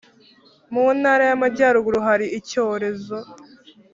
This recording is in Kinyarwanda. Mu Ntara y Amajyaruguru hari icyorezo